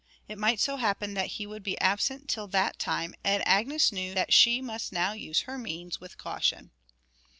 It might so happen that he would be absent till that time, and Agnes knew that she must now use her means with caution.